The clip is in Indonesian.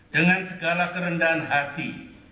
dengan segala kerendahan hati